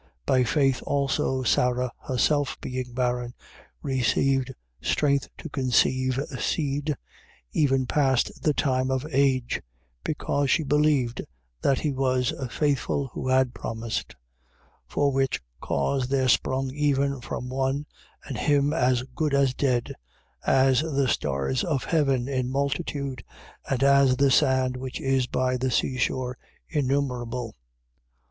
11:11. By faith also Sara herself, being barren, received strength to conceive seed, even past the time of age: because she believed that he was faithful who had promised, 11:12. For which cause there sprung even from one (and him as good as dead) as the stars of heaven in multitude and as the sand which is by the sea shore innumerable.